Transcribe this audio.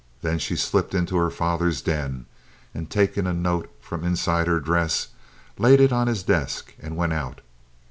Then she slipped into her father's den, and, taking a note from inside her dress, laid it on his desk, and went out.